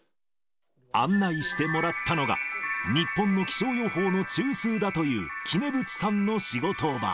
案内してもらったのが、日本の気象予報の中枢だという、杵渕さんの仕事場。